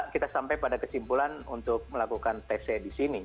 kita sampai pada kesimpulan untuk melakukan tc di sini